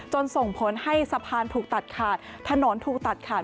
ส่งผลให้สะพานถูกตัดขาดถนนถูกตัดขาด